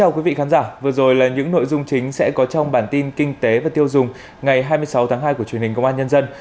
chào mừng quý vị đến với bản tin kinh tế và tiêu dùng ngày hai mươi sáu tháng hai của truyền hình công an nhân dân